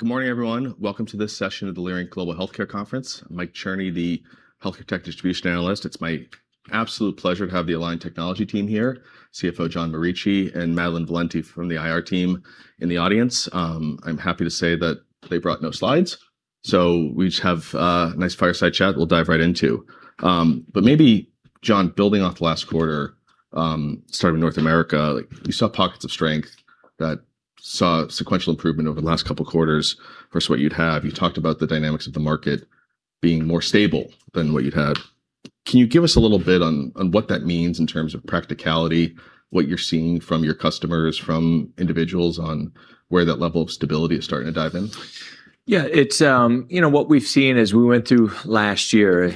Good morning, everyone. Welcome to this session of the Leerink Partners Global Healthcare Conference. I'm Mike Cherny, the healthcare tech distribution analyst. It's my absolute pleasure to have the Align Technology team here, CFO John Morici and Madeline Valenti from the IR team in the audience. I'm happy to say that they brought no slides so we just have a nice fireside chat we'll dive right into. Maybe, John, building off last quarter, starting with North America, like you saw pockets of strength that saw sequential improvement over the last couple of quarters versus what you'd have. You talked about the dynamics of the market being more stable than what you'd had. Can you give us a little bit on what that means in terms of practicality, what you're seeing from your customers, from individuals on where that level of stability is starting to dive in? Yeah. It's you know, what we've seen as we went through last year,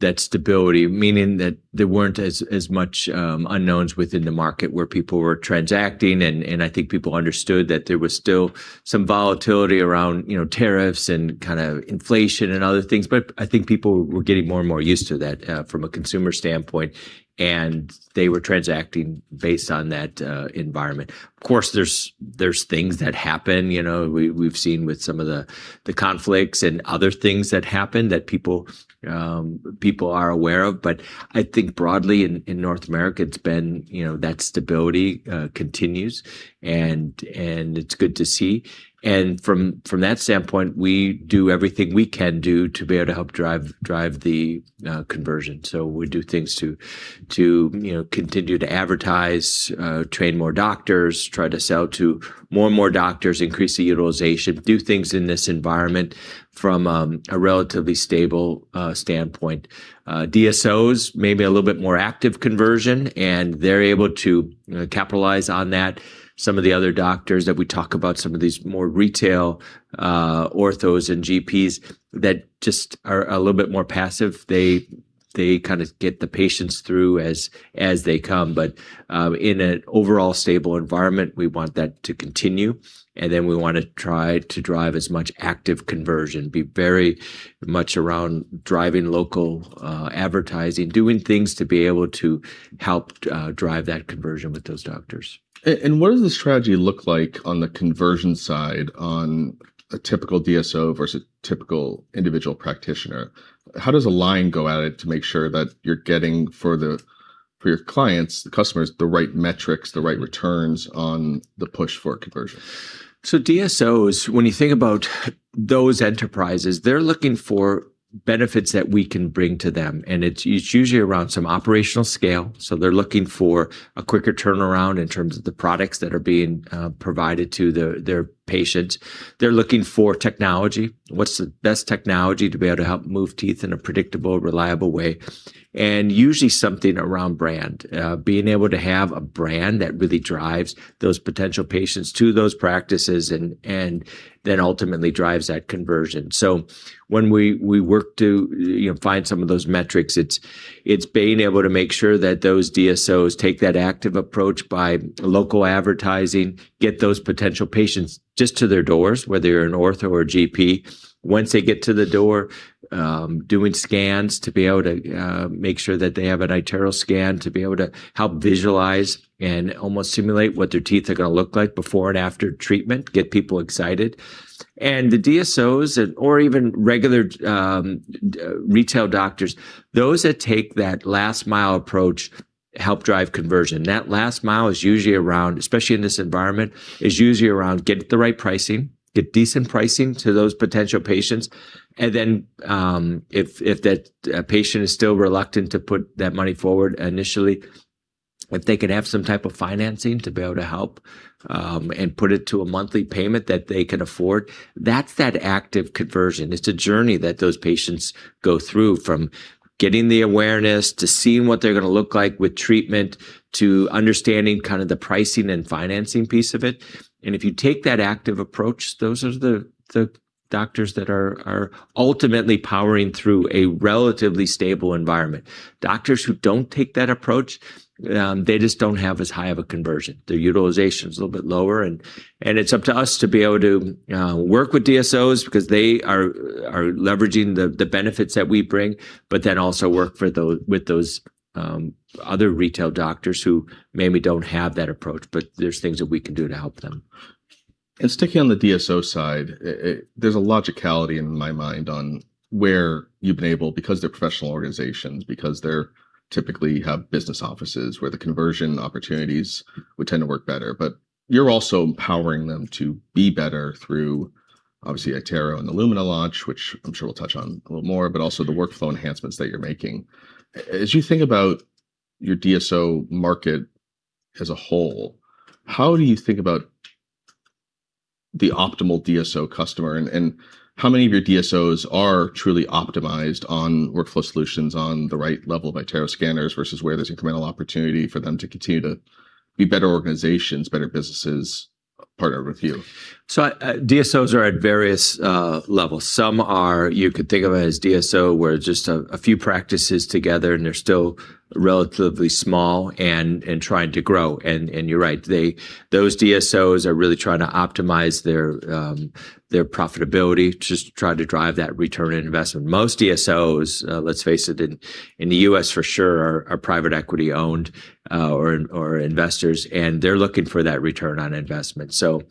that stability, meaning that there weren't as much unknowns within the market where people were transacting. I think people understood that there was still some volatility around, you know, tariffs and kinda inflation and other things. I think people were getting more and more used to that, from a consumer standpoint, and they were transacting based on that environment. Of course, there's things that happen, you know, we've seen with some of the conflicts and other things that happen that people are aware of. I think broadly in North America, it's been you know, that stability continues and it's good to see. From that standpoint, we do everything we can do to be able to help drive the conversion. We do things to you know continue to advertise, train more doctors, try to sell to more and more doctors, increase the utilization, do things in this environment from a relatively stable standpoint. DSOs may be a little bit more active conversion, and they're able to capitalize on that. Some of the other doctors that we talk about, some of these more retail orthos and GPs that just are a little bit more passive, they kinda get the patients through as they come. In an overall stable environment, we want that to continue, and then we wanna try to drive as much active conversion, be very much around driving local advertising, doing things to be able to help drive that conversion with those doctors. What does the strategy look like on the conversion side on a typical DSO versus typical individual practitioner? How does Align go at it to make sure that you're getting for your clients, the customers, the right metrics, the right returns on the push for conversion? DSOs, when you think about those enterprises, they're looking for benefits that we can bring to them, and it's usually around some operational scale. They're looking for a quicker turnaround in terms of the products that are being provided to their patients. They're looking for technology. What's the best technology to be able to help move teeth in a predictable, reliable way? Usually something around brand, being able to have a brand that really drives those potential patients to those practices and then ultimately drives that conversion. When we work to you know find some of those metrics, it's being able to make sure that those DSOs take that active approach by local advertising, get those potential patients just to their doors, whether you're an ortho or a GP. Once they get to the door, doing scans to be able to make sure that they have an iTero scan, to be able to help visualize and almost simulate what their teeth are gonna look like before and after treatment, get people excited. The DSOs and/or even regular retail doctors, those that take that last-mile approach help drive conversion. That last mile is usually around, especially in this environment, getting the right pricing, get decent pricing to those potential patients. Then, if that patient is still reluctant to put that money forward initially, if they can have some type of financing to be able to help, and put it to a monthly payment that they can afford, that's that active conversion. It's the journey that those patients go through from getting the awareness to seeing what they're gonna look like with treatment, to understanding kind of the pricing and financing piece of it. If you take that active approach, those are the doctors that are ultimately powering through a relatively stable environment. Doctors who don't take that approach, they just don't have as high of a conversion. Their utilization is a little bit lower and it's up to us to be able to work with DSOs because they are leveraging the benefits that we bring, but then also work with those other retail doctors who maybe don't have that approach, but there's things that we can do to help them. Sticking on the DSO side, there's a logicality in my mind on where you've been able because they're professional organizations, because they're typically have business offices where the conversion opportunities would tend to work better. But you're also empowering them to be better through obviously iTero and the Lumina launch, which I'm sure we'll touch on a little more, but also the workflow enhancements that you're making. As you think about your DSO market as a whole, how do you think about the optimal DSO customer and how many of your DSOs are truly optimized on workflow solutions on the right level of iTero scanners versus where there's incremental opportunity for them to continue to be better organizations, better businesses? Part of our review. DSOs are at various levels. Some are, you could think of it as DSO where just a few practices together and they're still relatively small and trying to grow. You're right, those DSOs are really trying to optimize their profitability, just trying to drive that return on investment. Most DSOs, let's face it, in the U.S. for sure, are private equity owned or investors, and they're looking for that return on investment. Some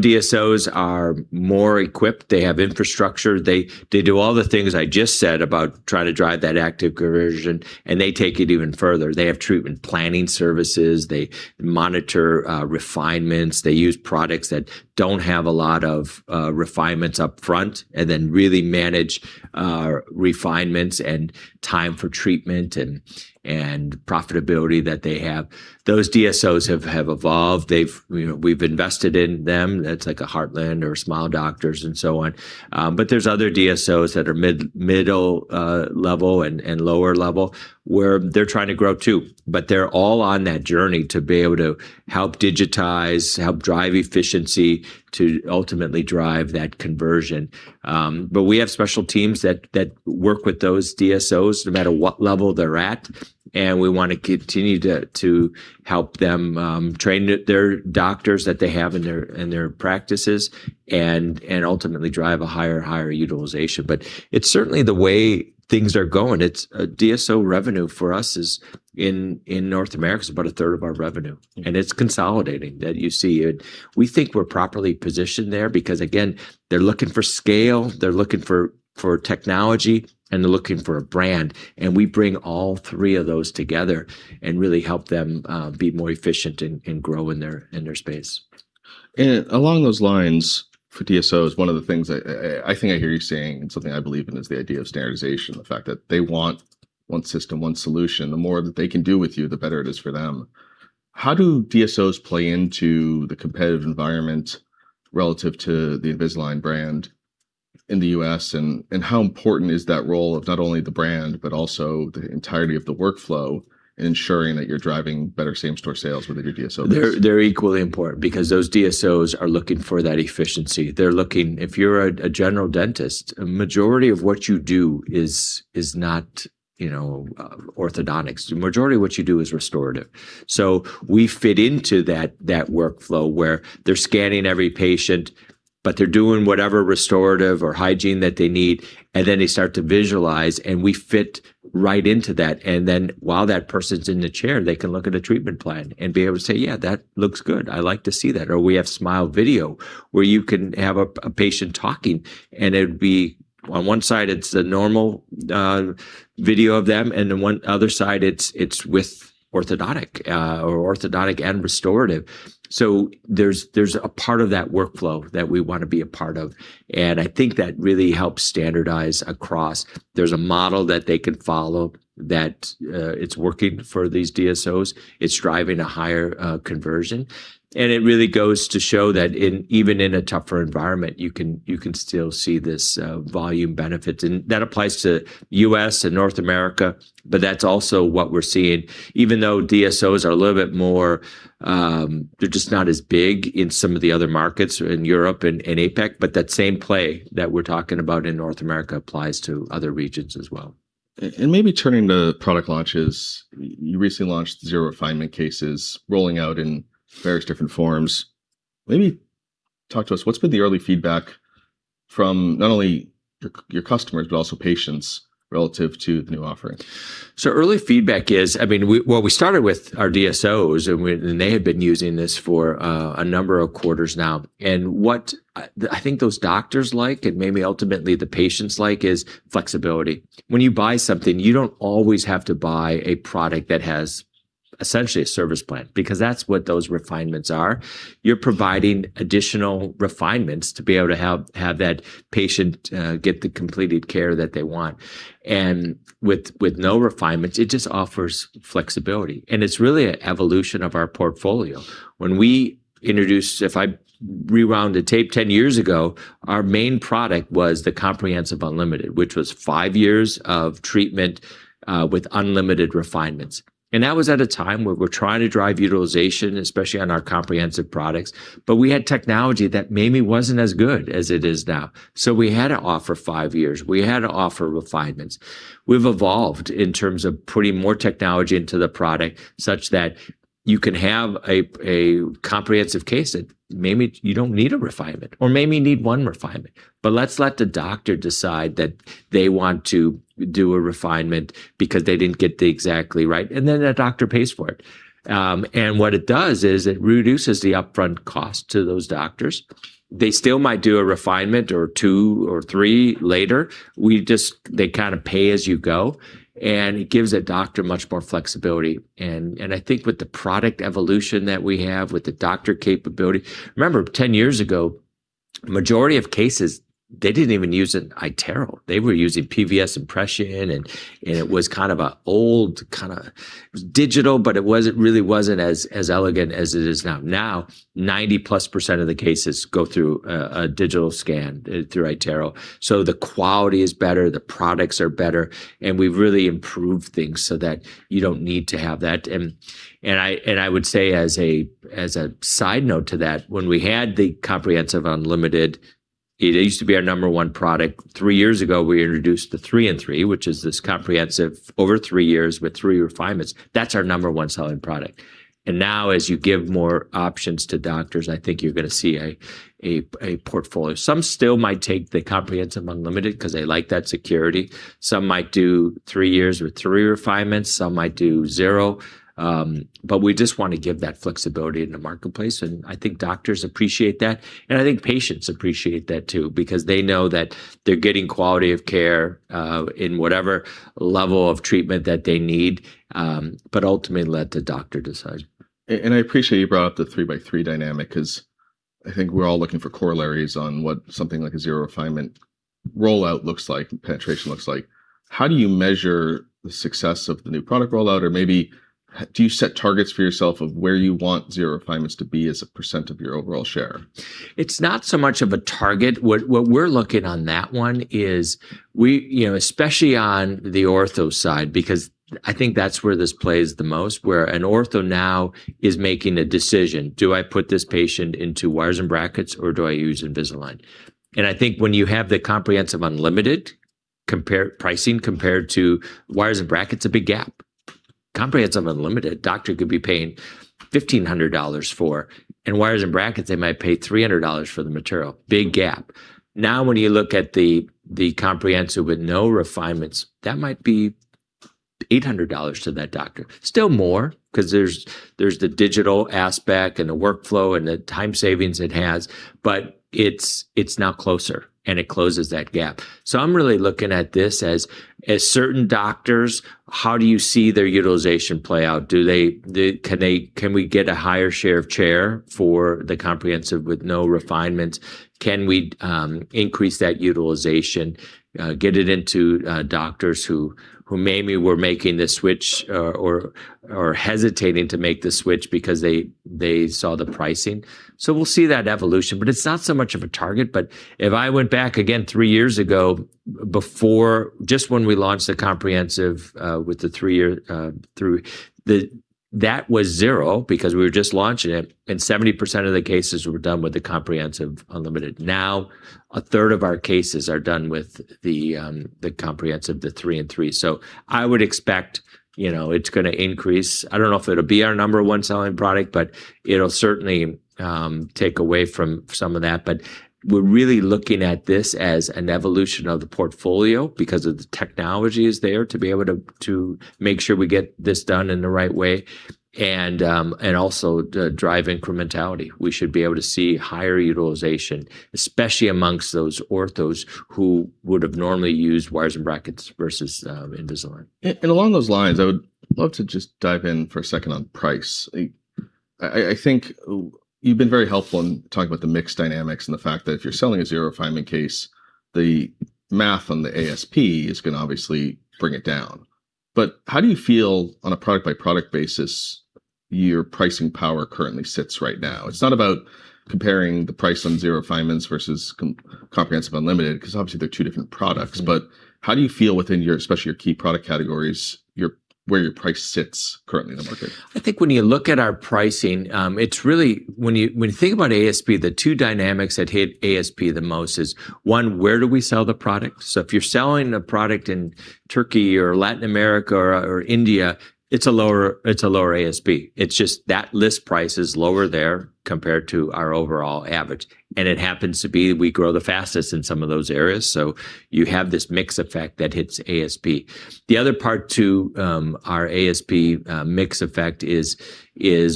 DSOs are more equipped. They have infrastructure. They do all the things I just said about trying to drive that active conversion, and they take it even further. They have treatment planning services. They monitor refinements. They use products that don't have a lot of refinements up front, and then really manage refinements and time for treatment and profitability that they have. Those DSOs have evolved. You know, we've invested in them. It's like a Heartland or Smile Doctors and so on. There's other DSOs that are middle level and lower level where they're trying to grow too, but they're all on that journey to be able to help digitize, help drive efficiency to ultimately drive that conversion. We have special teams that work with those DSOs no matter what level they're at, and we wanna continue to help them train their doctors that they have in their practices and ultimately drive a higher and higher utilization. It's certainly the way things are going. DSO revenue for us in North America is about 1/3 of our revenue. Mm. It's consolidating that you see. We think we're properly positioned there because again, they're looking for scale, they're looking for technology, and they're looking for a brand, and we bring all three of those together and really help them be more efficient and grow in their space. Along those lines, for DSOs, one of the things I think I hear you saying and something I believe in is the idea of standardization, the fact that they want one system, one solution. The more that they can do with you, the better it is for them. How do DSOs play into the competitive environment relative to the Invisalign brand in the U.S., and how important is that role of not only the brand, but also the entirety of the workflow in ensuring that you're driving better same-store sales with your DSOs? They're equally important because those DSOs are looking for that efficiency. They're looking. If you're a general dentist, a majority of what you do is not orthodontics. The majority of what you do is restorative. We fit into that workflow where they're scanning every patient, but they're doing whatever restorative or hygiene that they need, and then they start to visualize, and we fit right into that. Then while that person's in the chair, they can look at a treatment plan and be able to say, "Yeah, that looks good. I like to see that." Or we have SmileView where you can have a patient talking, and it would be on one side it's the normal video of them, and then one other side it's with orthodontics or orthodontics and restorative. There's a part of that workflow that we wanna be a part of, and I think that really helps standardize across. There's a model that they can follow that it's working for these DSOs. It's driving a higher conversion. It really goes to show that even in a tougher environment, you can still see this volume benefits. That applies to U.S. and North America, but that's also what we're seeing. Even though DSOs are a little bit more, they're just not as big in some of the other markets in Europe and APAC, but that same play that we're talking about in North America applies to other regions as well. Maybe turning to product launches. You recently launched zero refinement cases rolling out in various different forms. Maybe talk to us, what's been the early feedback from not only your customers, but also patients relative to the new offering? Early feedback is, we started with our DSOs and they have been using this for a number of quarters now. What I think those doctors like, and maybe ultimately the patients like, is flexibility. When you buy something, you don't always have to buy a product that has essentially a service plan, because that's what those refinements are. You're providing additional refinements to be able to have that patient get the completed care that they want. With no refinements, it just offers flexibility, and it's really an evolution of our portfolio. When we introduced, if I rewound the tape, 10 years ago, our main product was the Comprehensive Unlimited, which was five years of treatment with unlimited refinements. That was at a time where we're trying to drive utilization, especially on our comprehensive products, but we had technology that maybe wasn't as good as it is now. We had to offer five years, we had to offer refinements. We've evolved in terms of putting more technology into the product such that you can have a comprehensive case that maybe you don't need a refinement or maybe need 1 refinement, but let's let the doctor decide that they want to do a refinement because they didn't get the exactly right, and then that doctor pays for it. And what it does is it reduces the upfront cost to those doctors. They still might do a refinement or two or three later. They kind of pay as you go, and it gives a doctor much more flexibility. I think with the product evolution that we have, with the doctor capability. Remember, 10 years ago, majority of cases, they didn't even use an iTero. They were using PVS impression and it was kind of an old kind of digital, but it wasn't really as elegant as it is now. Now, 90%+ of the cases go through a digital scan through iTero. The quality is better, the products are better, and we've really improved things so that you don't need to have that. I would say as a side note to that, when we had the Comprehensive Unlimited. It used to be our number one product. three years ago, we introduced the three-in-three, which is this comprehensive over three years with three refinements. That's our number one selling product. Now as you give more options to doctors, I think you're gonna see a portfolio. Some still might take the comprehensive unlimited because they like that security. Some might do three years with three refinements. Some might do zero. But we just want to give that flexibility in the marketplace, and I think doctors appreciate that, and I think patients appreciate that too because they know that they're getting quality of care in whatever level of treatment that they need, but ultimately let the doctor decide. I appreciate you brought up the three-by-three dynamic 'cause I think we're all looking for corollaries on what something like a zero refinement rollout looks like and penetration looks like. How do you measure the success of the new product rollout? Or maybe do you set targets for yourself of where you want zero refinements to be as a percent of your overall share? It's not so much of a target. What we're looking at that one is, you know, especially on the ortho side because I think that's where this plays the most, where an ortho now is making a decision, "Do I put this patient into wires and brackets or do I use Invisalign?" I think when you have the comprehensive unlimited comparison pricing compared to wires and brackets, a big gap. Comprehensive unlimited, doctor could be paying $1,500 for, and wires and brackets they might pay $300 for the material. Big gap. Now when you look at the comprehensive with no refinements, that might be $800 to that doctor. Still more 'cause there's the digital aspect and the workflow and the time savings it has, but it's now closer, and it closes that gap. I'm really looking at this as certain doctors, how do you see their utilization play out? Can we get a higher share of chair for the comprehensive with no refinements? Can we increase that utilization, get it into doctors who maybe were making the switch or hesitating to make the switch because they saw the pricing? We'll see that evolution, but it's not so much of a target. If I went back again three years ago before just when we launched the comprehensive with the three-year, that was zero because we were just launching it, and 70% of the cases were done with the comprehensive unlimited. Now 1/3 of our cases are done with the comprehensive, the three-in-three. I would expect, you know, it's gonna increase. I don't know if it'll be our number one selling product, but it'll certainly take away from some of that. We're really looking at this as an evolution of the portfolio because of the technology is there to be able to make sure we get this done in the right way and also to drive incrementality. We should be able to see higher utilization, especially amongst those orthos who would've normally used wires and brackets versus Invisalign. Along those lines, I would love to just dive in for a second on price. I think you've been very helpful in talking about the mix dynamics and the fact that if you're selling a zero refinement case, the math on the ASP is gonna obviously bring it down. But how do you feel on a product-by-product basis your pricing power currently sits right now? It's not about comparing the price on zero refinements versus comprehensive unlimited, because obviously they're two different products. But how do you feel within your, especially your key product categories, your, where your price sits currently in the market? I think when you look at our pricing, it's really when you think about ASP, the two dynamics that hit ASP the most is, one, where do we sell the product? If you're selling a product in Turkey or Latin America or India, it's a lower ASP. It's just that list price is lower there compared to our overall average, and it happens to be that we grow the fastest in some of those areas, so you have this mix effect that hits ASP. The other part to our ASP mix effect is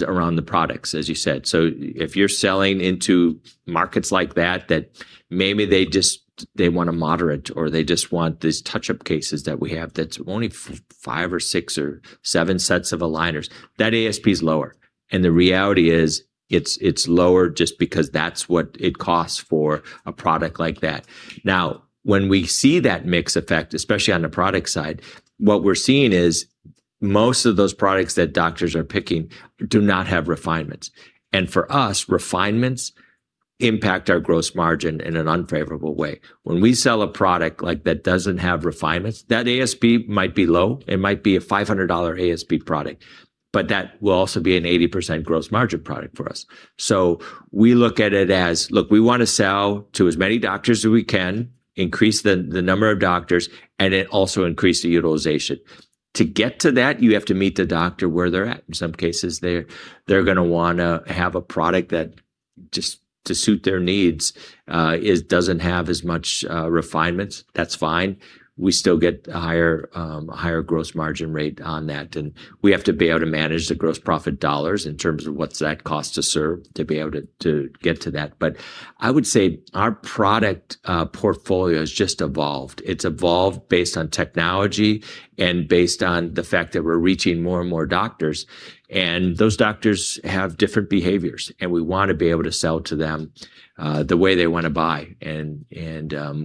around the products, as you said. If you're selling into markets like that maybe they just, they want a moderate or they just want these touch-up cases that we have that's only five or six or seven sets of aligners, that ASP's lower, and the reality is it's lower just because that's what it costs for a product like that. Now, when we see that mix effect, especially on the product side, what we're seeing is most of those products that doctors are picking do not have refinements, and for us, refinements impact our gross margin in an unfavorable way. When we sell a product like that doesn't have refinements, that ASP might be low. It might be a $500 ASP product, but that will also be an 80% gross margin product for us. We look at it as, look, we want to sell to as many doctors as we can, increase the number of doctors, and then also increase the utilization. To get to that, you have to meet the doctor where they're at. In some cases, they're gonna wanna have a product that just to suit their needs, doesn't have as much refinements. That's fine. We still get a higher gross margin rate on that, and we have to be able to manage the gross profit dollars in terms of what's that cost to serve to be able to get to that. I would say our product portfolio has just evolved. It's evolved based on technology and based on the fact that we're reaching more and more doctors, and those doctors have different behaviors, and we want to be able to sell to them, the way they want to buy and,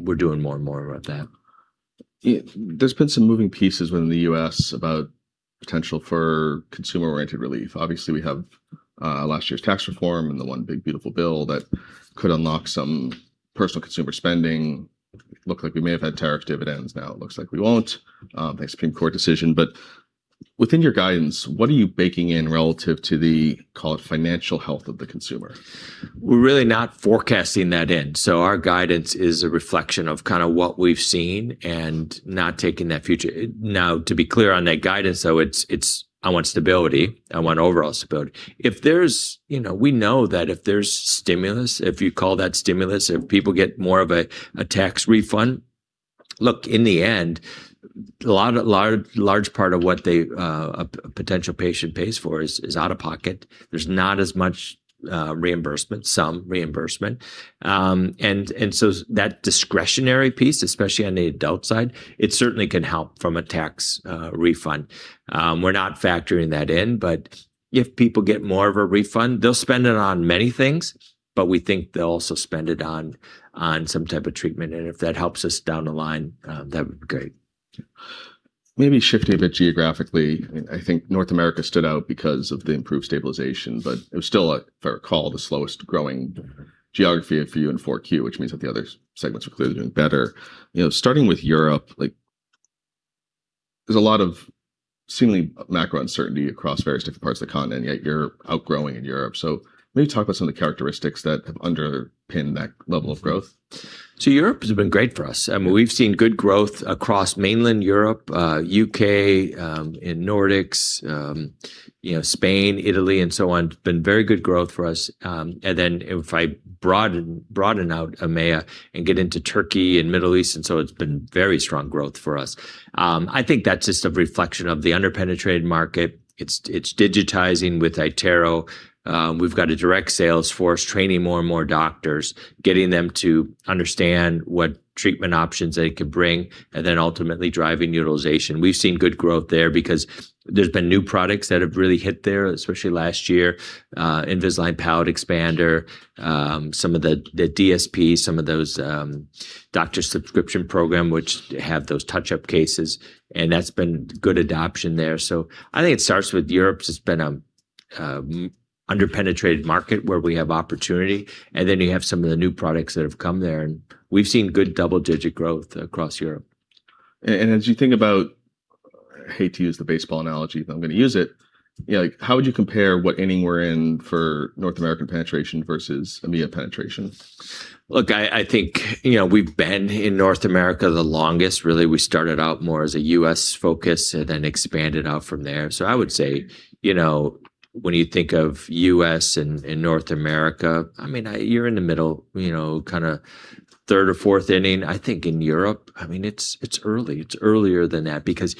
we're doing more and more of that. Yeah. There's been some moving parts within the U.S. about potential for consumer-oriented relief. Obviously, we have last year's tax reform and the one big beautiful bill that could unlock some personal consumer spending. Looked like we may have had tariff dividends. Now it looks like we won't, thanks to Supreme Court decision. Within your guidance, what are you baking in relative to the, call it, financial health of the consumer? We're really not forecasting that in. Our guidance is a reflection of kind of what we've seen and not taking that future. Now, to be clear on that guidance, it's I want stability. I want overall stability. You know, we know that if there's stimulus, if you call that stimulus, if people get more of a tax refund, look, in the end, a large part of what a potential patient pays for is out of pocket. There's not as much reimbursement. Some reimbursement. That discretionary piece, especially on the adult side, it certainly can help from a tax refund. We're not factoring that in, but if people get more of a refund, they'll spend it on many things, but we think they'll also spend it on some type of treatment. If that helps us down the line, that would be great. Maybe shifting a bit geographically. I think North America stood out because of the improved stabilization, but it was still, if I recall, the slowest growing geography for you in 4Q, which means that the other segments were clearly doing better. You know, starting with Europe, like, there's a lot of seemingly macro uncertainty across various different parts of the continent, yet you're outgrowing in Europe. Maybe talk about some of the characteristics that have underpinned that level of growth. Europe has been great for us. I mean, we've seen good growth across mainland Europe, U.K., in Nordics, you know, Spain, Italy and so on. It's been very good growth for us. If I broaden out EMEA and get into Turkey and Middle East, and so it's been very strong growth for us. I think that's just a reflection of the under-penetrated market. It's digitizing with iTero. We've got a direct sales force training more and more doctors, getting them to understand what treatment options they can bring, and then ultimately driving utilization. We've seen good growth there because there's been new products that have really hit there, especially last year, Invisalign Palatal Expander, some of the DSP, some of those doctor subscription program which have those touch-up cases, and that's been good adoption there. I think it starts with Europe's just been under-penetrated market where we have opportunity, and then you have some of the new products that have come there, and we've seen good double-digit growth across Europe. As you think about, I hate to use the baseball analogy, but I'm going to use it, you know, how would you compare what inning we're in for North American penetration versus EMEA penetration? Look, I think, you know, we've been in North America the longest. Really, we started out more as a U.S. focus and then expanded out from there. I would say, you know, when you think of U.S. and North America, I mean, you're in the middle, you know, kind of third or fourth inning. I think in Europe, I mean, it's early. It's earlier than that because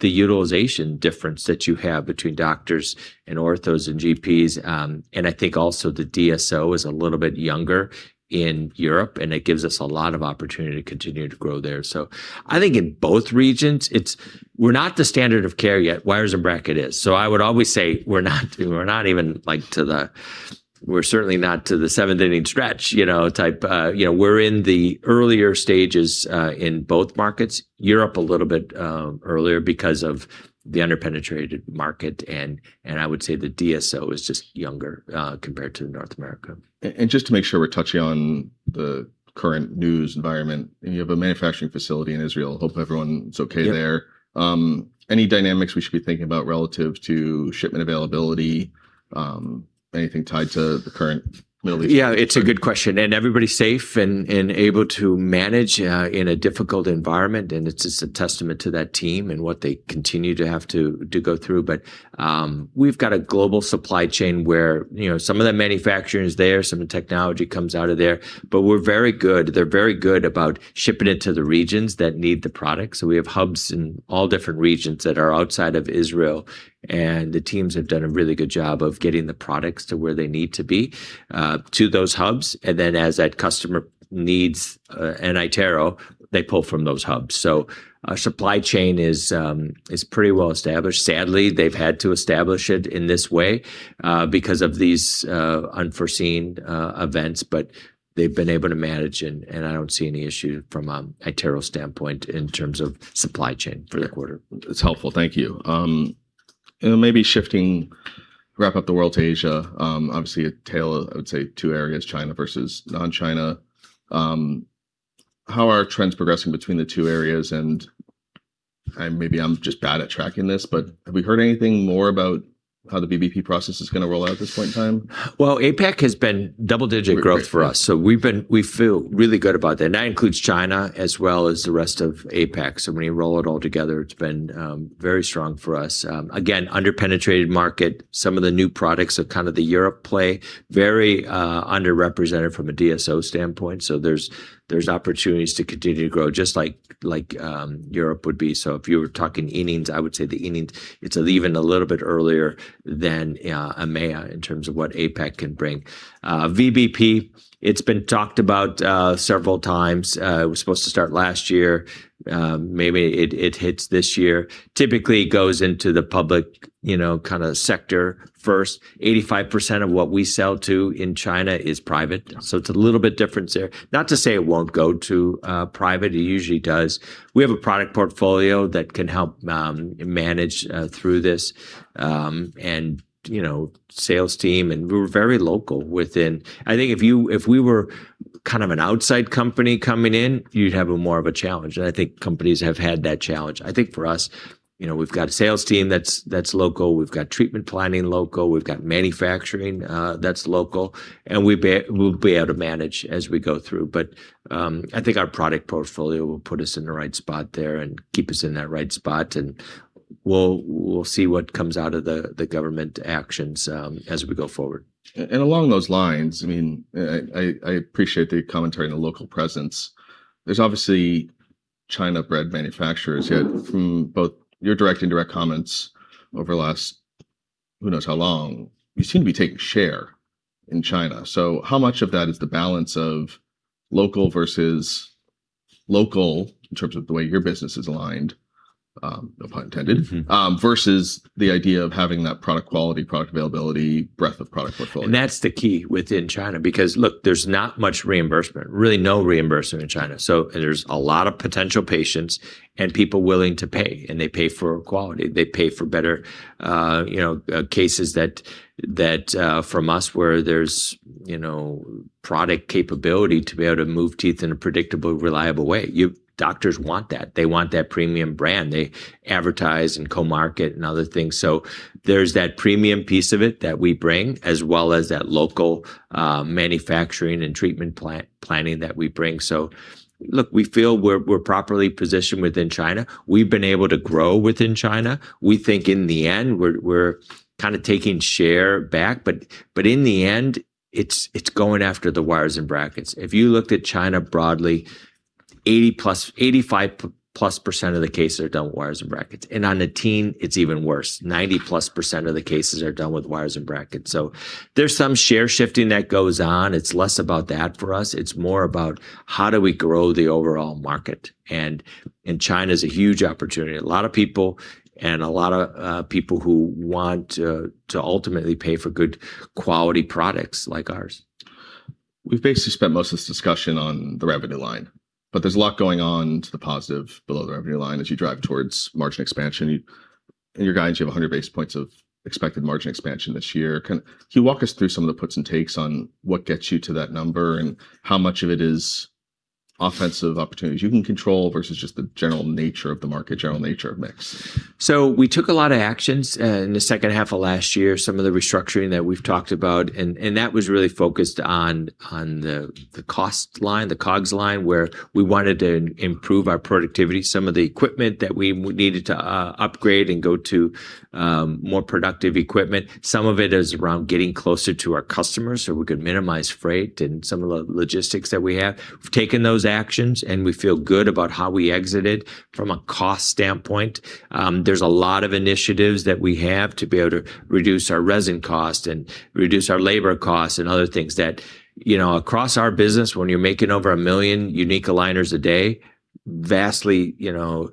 the utilization difference that you have between doctors and orthos and GPs. I think also the DSO is a little bit younger in Europe, and it gives us a lot of opportunity to continue to grow there. I think in both regions, we're not the standard of care yet. Wires and brackets are. I would always say we're not even to the seventh inning stretch, you know, type. You know, we're in the earlier stages in both markets. Europe a little bit earlier because of the under-penetrated market and I would say the DSO is just younger compared to North America. Just to make sure we're touching on the current news environment, and you have a manufacturing facility in Israel. Hopefully everyone's okay there. Yeah. Any dynamics we should be thinking about relative to shipment availability? Anything tied to the current Middle East? Yeah, it's a good question. Everybody's safe and able to manage in a difficult environment. It's just a testament to that team and what they continue to have to go through. We've got a global supply chain where, you know, some of the manufacturing is there, some of the technology comes out of there, but we're very good. They're very good about shipping it to the regions that need the product. We have hubs in all different regions that are outside of Israel, and the teams have done a really good job of getting the products to where they need to be to those hubs. Then as that customer needs an iTero, they pull from those hubs. Our supply chain is pretty well established. Sadly, they've had to establish it in this way, because of these unforeseen events, but they've been able to manage and I don't see any issue from iTero's standpoint in terms of supply chain for the quarter. It's helpful. Thank you. Maybe shifting to wrap up the world to Asia. Obviously a tale of, I would say, two areas, China versus non-China. How are trends progressing between the two areas? Maybe I'm just bad at tracking this, but have we heard anything more about how the VBP process is going to roll out at this point in time? Well, APAC has been double-digit growth for us, we feel really good about that. That includes China as well as the rest of APAC. When you roll it all together, it's been very strong for us. Again, under-penetrated market. Some of the new products of kind of the Europe play, very underrepresented from a DSO standpoint. There's opportunities to continue to grow just like Europe would be. If you were talking innings, I would say it's even a little bit earlier than EMEA in terms of what APAC can bring. VBP, it's been talked about several times. It was supposed to start last year. Maybe it hits this year. Typically, it goes into the public, you know, kind of sector first. 85% of what we sell to in China is private. It's a little bit different there. Not to say it won't go to private. It usually does. We have a product portfolio that can help manage through this, and, you know, sales team, and we're very local within. I think if we were kind of an outside company coming in, you'd have more of a challenge. I think companies have had that challenge. I think for us, you know, we've got a sales team that's local, we've got treatment planning local, we've got manufacturing that's local, and we'll be able to manage as we go through. But I think our product portfolio will put us in the right spot there and keep us in that right spot. We'll see what comes out of the government actions as we go forward. Along those lines, I mean, I appreciate the commentary on the local presence. There's obviously China-bred manufacturers here from both your direct and indirect comments over the last who knows how long. You seem to be taking share in China. How much of that is the balance of local versus local in terms of the way your business is aligned, no pun intended? Mm-hmm versus the idea of having that product quality, product availability, breadth of product portfolio? That's the key within China because look, there's not much reimbursement, really no reimbursement in China. So there's a lot of potential patients and people willing to pay, and they pay for quality. They pay for better, you know, cases that from us where there's, you know, product capability to be able to move teeth in a predictable, reliable way. Doctors want that. They want that premium brand. They advertise and co-market and other things. So there's that premium piece of it that we bring, as well as that local manufacturing and treatment planning that we bring. So look, we feel we're properly positioned within China. We've been able to grow within China. We think in the end, we're kind of taking share back. In the end, it's going after the wires and brackets. If you looked at China broadly, 85%+ of the cases are done with wires and brackets. On a teen, it's even worse. 90%+ of the cases are done with wires and brackets. There's some share shifting that goes on. It's less about that for us. It's more about how do we grow the overall market. China's a huge opportunity. A lot of people and a lot of people who want to ultimately pay for good quality products like ours. We've basically spent most of this discussion on the revenue line, but there's a lot going on to the positive below the revenue line as you drive towards margin expansion. In your guidance, you have 100 basis points of expected margin expansion this year. Can you walk us through some of the puts and takes on what gets you to that number and how much of it is offensive opportunities you can control versus just the general nature of the market, general nature of mix? We took a lot of actions in the second half of last year, some of the restructuring that we've talked about. That was really focused on the cost line, the COGS line, where we wanted to improve our productivity. Some of the equipment that we needed to upgrade and go to more productive equipment. Some of it is around getting closer to our customers so we could minimize freight and some of the logistics that we have. We've taken those actions, and we feel good about how we exited from a cost standpoint. There's a lot of initiatives that we have to be able to reduce our resin cost and reduce our labor costs and other things that, you know, across our business when you're making over 1 million unique aligners a day, vastly, you know,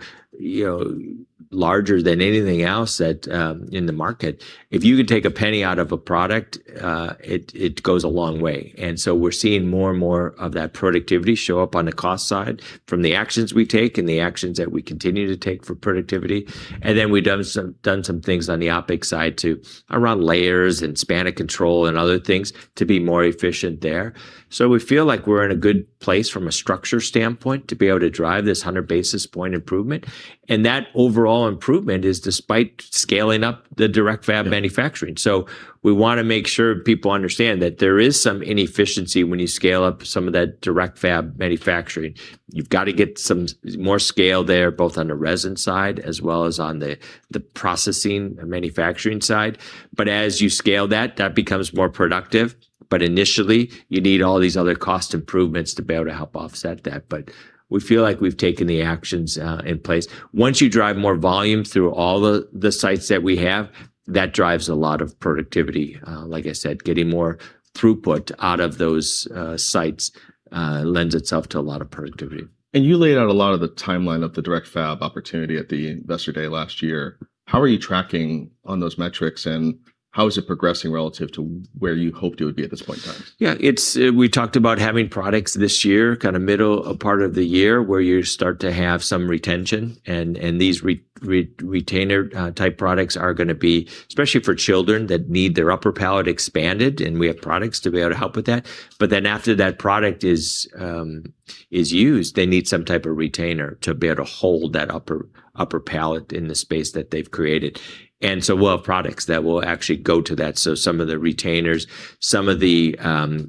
larger than anything else that in the market. If you could take a penny out of a product, it goes a long way. We're seeing more and more of that productivity show up on the cost side from the actions we take and the actions that we continue to take for productivity. We've done some things on the OpEx side too, around layers and span of control and other things to be more efficient there. We feel like we're in a good place from a structure standpoint to be able to drive this 100 basis points improvement. That overall improvement is despite scaling up the DirectFab manufacturing. We wanna make sure people understand that there is some inefficiency when you scale up some of that DirectFab manufacturing. You've got to get some more scale there, both on the resin side as well as on the processing and manufacturing side. As you scale that becomes more productive. Initially, you need all these other cost improvements to be able to help offset that. We feel like we've taken the actions in place. Once you drive more volume through all the sites that we have, that drives a lot of productivity. Like I said, getting more throughput out of those sites lends itself to a lot of productivity. You laid out a lot of the timeline of the DirectFab opportunity at the Investor Day last year. How are you tracking on those metrics, and how is it progressing relative to where you hoped it would be at this point in time? Yeah, it's we talked about having products this year, kind of middle part of the year where you start to have some retention and these retainer type products are gonna be, especially for children that need their upper palate expanded, and we have products to be able to help with that. After that product is used, they need some type of retainer to be able to hold that upper palate in the space that they've created. We'll have products that will actually go to that. Some of the retainers, some of the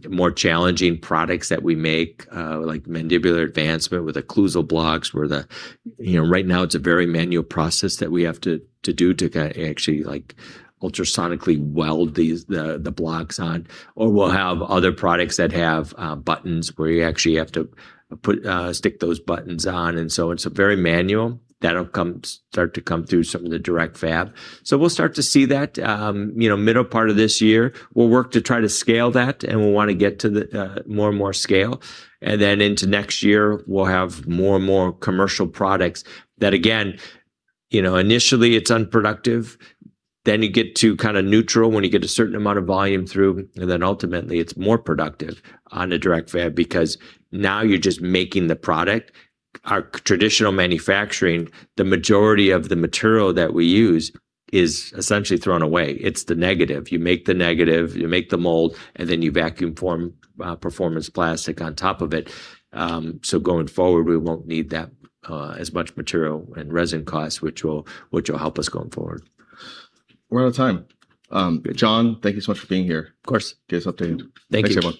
more challenging products that we make, like mandibular advancement with occlusal blocks, where you know, right now it's a very manual process that we have to actually, like, ultrasonically weld these the blocks on. We'll have other products that have buttons where you actually have to stick those buttons on. It's very manual. That'll start to come through some of the DirectFab. We'll start to see that, you know, middle part of this year. We'll work to try to scale that, and we'll want to get to the more and more scale. Into next year, we'll have more and more commercial products that again, you know, initially it's unproductive, then you get to kinda neutral when you get a certain amount of volume through, and then ultimately it's more productive on the DirectFab because now you're just making the product. Our traditional manufacturing, the majority of the material that we use is essentially thrown away. It's the negative. You make the negative, you make the mold, and then you vacuum form performance plastic on top of it. Going forward, we won't need that as much material and resin costs, which will help us going forward. We're out of time. John, thank you so much for being here. Of course. Keep us updated. Thank you. Thanks everyone.